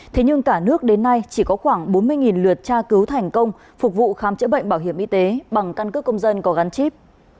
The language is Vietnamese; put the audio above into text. thế nhưng cả nước đến nay chỉ có khoảng bốn mươi lượt tra cứu thành công phục vụ khám chữa bệnh bảo hiểm y tế bằng căn cước công dân có gắn chip